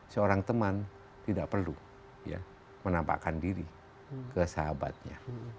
seorang teman tidak perlu menampakkan diri ke sahabatnya